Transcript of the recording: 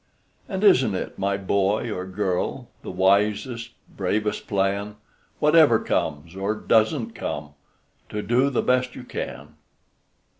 And isn't it, my boy or girl, The wisest, bravest plan, Whatever comes, or does n't come, To do the best you can?